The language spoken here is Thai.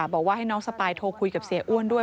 บอกว่าให้น้องสปายโทรคุยกับเสียอ้วนด้วย